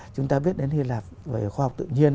chúng ta biết đến hy lạp về khoa học tự nhiên